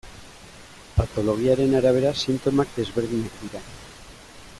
Patologiaren arabera sintomak desberdinak dira.